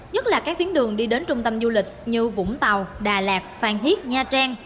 nhất là các tuyến đường đi đến trung tâm du lịch như vũng tàu đà lạt phan thiết nha trang